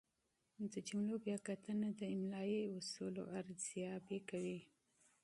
د جملو بیا کتنه د املايي اصولو ارزیابي کوي.